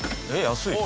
安い！